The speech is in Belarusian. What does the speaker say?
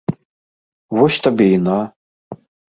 Вось табе і на!